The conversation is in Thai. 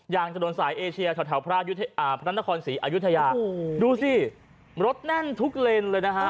อย่างถนนสายเอเชียแถวพระนครศรีอายุทยาดูสิรถแน่นทุกเลนเลยนะฮะ